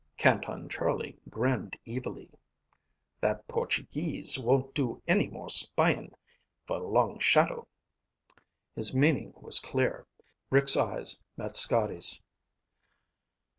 Canton Charlie grinned evilly. "That Portuguese won't do any more spyin' for Long Shadow." His meaning was clear. Rick's eyes met Scotty's.